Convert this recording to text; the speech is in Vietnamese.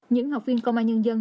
những học viên công an nhân dân